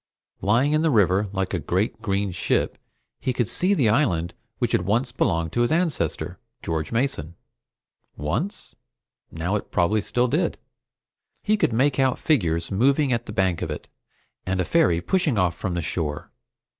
Lying in the river like a great green ship, he could see the island which had once belonged to his ancestor, George Mason. Once? Now it probably still did. He could make out figures moving at the bank of it, and a ferry pushing off from the shore.